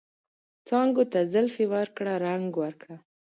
څانګو ته زلفې ورکړه ، رنګ ورکړه